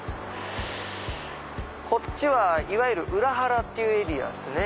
こっちはいわゆる裏原っていうエリアですね。